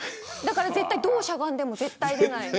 どうしゃがんでも絶対出ない。